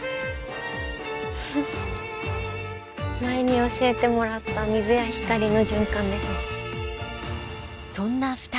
前に教えてもらった水や光の循環ですね。